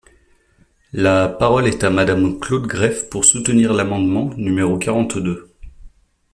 La parole est à Madame Claude Greff, pour soutenir l’amendement numéro quarante-deux.